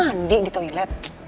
kamu mandi di toilet